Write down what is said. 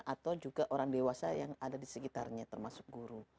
atau juga orang dewasa yang ada di sekitarnya termasuk guru